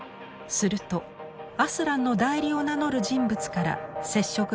するとアスランの代理を名乗る人物から接触がありました。